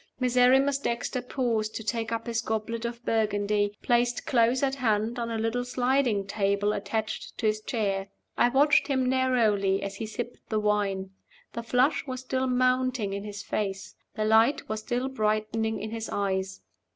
Miserrimus Dexter paused to take up his goblet of Burgundy placed close at hand on a little sliding table attached to his chair. I watched him narrowly as he sipped the wine. The flush was still mounting in his face; the light was still brightening in his eyes.